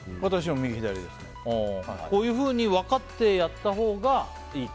こういうふうに分かってやったほうがいいと？